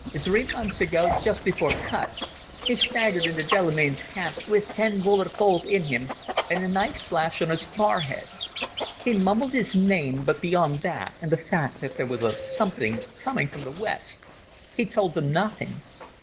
Three months ago, just before Kut, he staggered into Delamain's camp with ten bullet holes in him and a knife slash on his forehead. He mumbled his name, but beyond that and the fact that there was a Something coming from the West he told them nothing.